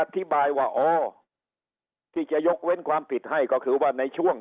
อธิบายว่าอ๋อที่จะยกเว้นความผิดให้ก็คือว่าในช่วง